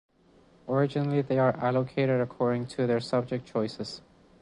Originally they are allocated according to their subject choices.